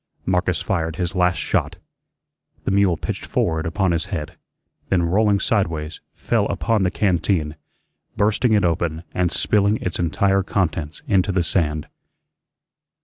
Marcus fired his last shot. The mule pitched forward upon his head, then, rolling sideways, fell upon the canteen, bursting it open and spilling its entire contents into the sand.